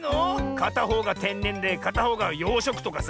かたほうがてんねんでかたほうがようしょくとかさ。